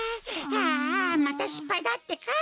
ああまたしっぱいだってか。